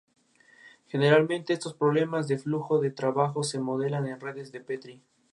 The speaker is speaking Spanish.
Generalmente los problemas de flujo de trabajo se modelan con redes de Petri.